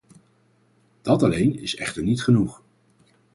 Dat alleen is echter niet genoeg.